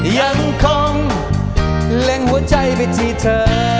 ยังคงเล็งหัวใจไปที่เธอ